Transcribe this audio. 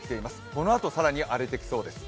このあと更に荒れてきそうです。